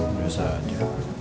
enggak usah aja